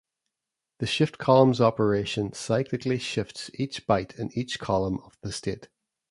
The ShiftColumns operation cyclically shifts each byte in each column of the state.